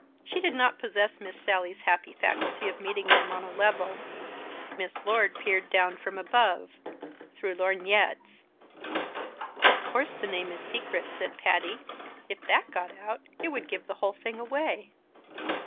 She did not possess Miss Sallie's happy faculty of meeting them on a level. Miss Lord peered down from above (through lorgnettes). "Of course the name is a secret," said Patty. "If that got out, it would give the whole thing away."